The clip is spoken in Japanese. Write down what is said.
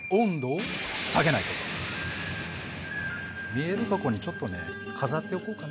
見えるとこにちょっとね飾っておこうかな。